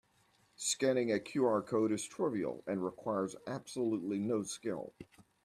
Scanning a QR code is trivial and requires absolutely no skill.